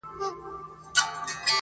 ځوان ولاړ سو.